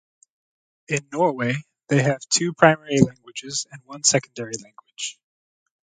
In Norway, they have two primary languages, and one secondary language.